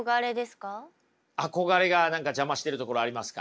憧れが何か邪魔してるところありますか？